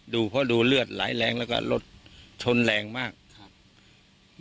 ดูเพราะดูเลือดไหลแรงแล้วก็รถชนแรงมากครับ